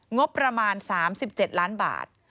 งบประมาณ๓๗ล้านบาท